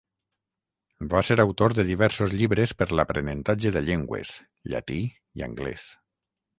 Va ser autor de diversos llibres per l'aprenentatge de llengües, llatí i anglès.